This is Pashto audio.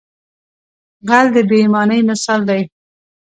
غل د بې ایمانۍ مثال دی